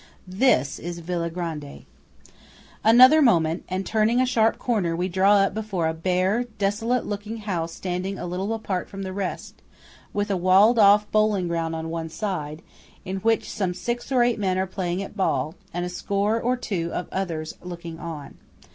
This is Villa Grande. Another moment, and, turning a sharp corner, we draw up before a bare desolate looking house standing a little apart from the rest, with a walled off bowling ground on one side, in which some six or eight men are playing at ball, and a score or two of others looking on.